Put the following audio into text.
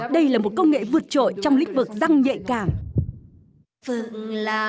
đây là một công nghệ vượt trội trong lĩnh vực răng nhạy cảm